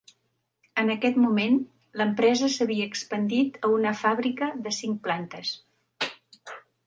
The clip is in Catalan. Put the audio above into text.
En aquest moment, l'empresa s'havia expandit a una fàbrica de cinc plantes.